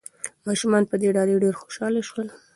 ماشومان په دې ډالیو ډېر خوشاله شول.